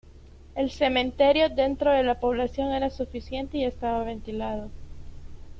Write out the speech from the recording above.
El cementerio, dentro de la población, era suficiente y estaba ventilado.